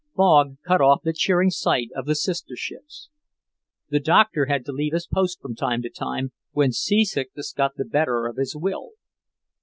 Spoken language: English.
Fog cut off the cheering sight of the sister ships. The doctor had to leave his post from time to time, when seasickness got the better of his will.